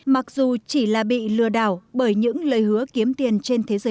mặc dù chỉ là bị lừa đảo bởi những lời hứa kiếm tiền nhưng tất cả đã quá muộn